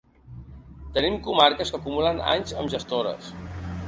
Tenim comarques que acumulen anys amb gestores.